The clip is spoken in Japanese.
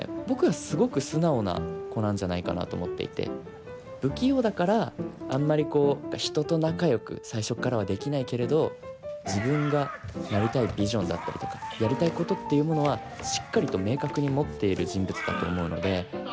僕はすごく素直な子なんじゃないかなと思っていて不器用だからあんまりこう人と仲よく最初っからはできないけれど自分がなりたいビジョンだったりとかやりたいことっていうものはしっかりと明確に持っている人物だと思うので。